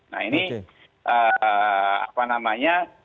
nah ini apa namanya